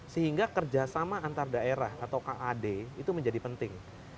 sehingga kerjasama antar daerah atau kad itu menjadi penting